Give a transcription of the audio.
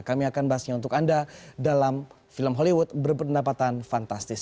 kami akan bahasnya untuk anda dalam film hollywood berpendapatan fantastis